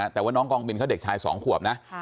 แต่ว่าน้องกองบินเขาเด็กชาย๒ขวบนะ